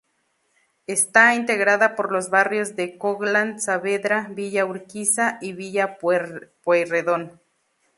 Está integrada por los barrios de Coghlan, Saavedra, Villa Urquiza y Villa Pueyrredón.